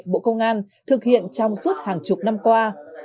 bộ công an thực hiện trong suốt hàng chục năm qua